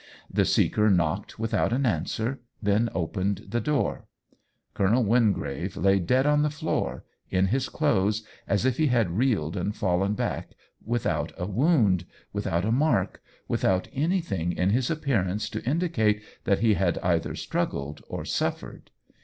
The seeker knocked without an answer — then opened the door. Colonel Wingrave lay dead on the floor, in his clothes, as if he had reeled and fallen back, without a wound, without a mark, without anything in his appearance to indicate that he had either struggled or suffered.